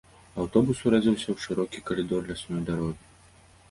Аўтобус урэзаўся ў шырокі калідор лясной дарогі.